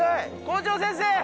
校長先生！